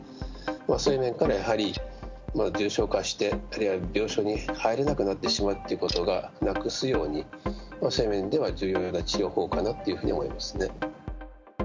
そういう面から、やはり重症化して病床に入れなくなってしまうということがなくすように、そういう意味では重要な治療かなと思いますね。